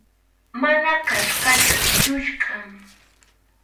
Mana qhachqachu, lluskʼam.